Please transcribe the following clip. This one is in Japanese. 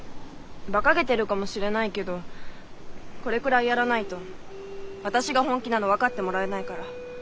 バカげてるかもしれないけどこれくらいやらないと私が本気なの分かってもらえないから。